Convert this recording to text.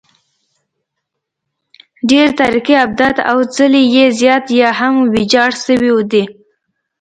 ډېری تاریخي ابدات او څلي یې زیان یا هم ویجاړ شوي دي